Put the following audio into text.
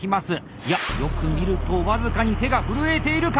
いやよく見ると僅かに手が震えているか！